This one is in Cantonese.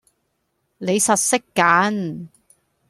你實識揀